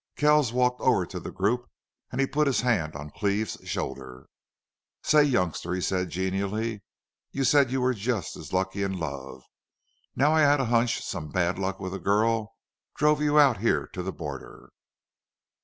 Kells walked over to the group and he put his hand on Cleve's shoulder. "Say youngster," he said, genially, "you said you were just as lucky in love.... Now I had a hunch some BAD luck with a girl drove you out here to the border."